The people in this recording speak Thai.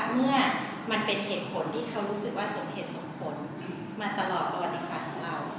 เมื่อมันเป็นเหตุผลที่เขารู้สึกว่าสมเหตุสมผลมาตลอดประวัติศาสตร์ของเรา